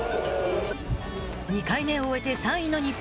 ２回目を終えて、３位の日本。